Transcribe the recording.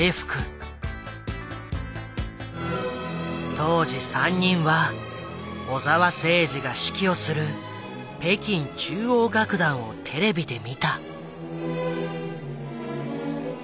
当時３人は小澤征爾が指揮をする北京中央楽団をテレビで見た。